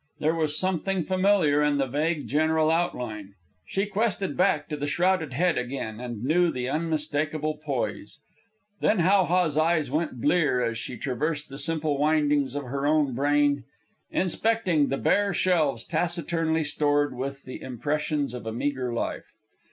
There was something familiar in the vague general outline. She quested back to the shrouded head again, and knew the unmistakable poise. Then How ha's eyes went blear as she traversed the simple windings of her own brain, inspecting the bare shelves taciturnly stored with the impressions of a meagre life.